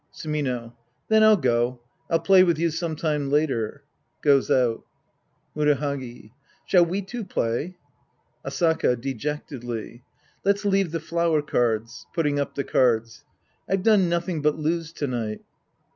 Sumino. Then I'll go. I'll play with you some time later. (Goes out.) Murahagi. Shall we two play ? Asaka (dejectedly). Let's leave the flower cards. (Putting up the cards.) I've done nothing but lose to night.